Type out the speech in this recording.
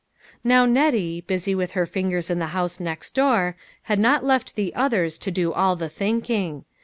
Now Nettie, busy with her fingers in the house next door, had not left the others to do all the thinking.